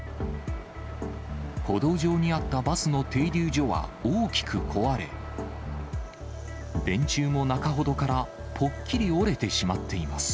歩道上にあったバスの停留所は大きく壊れ、電柱も中ほどからぽっきり折れてしまっています。